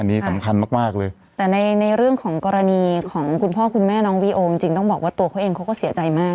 อันนี้สำคัญมากมากเลยแต่ในในเรื่องของกรณีของคุณพ่อคุณแม่น้องวีโอจริงจริงต้องบอกว่าตัวเขาเองเขาก็เสียใจมาก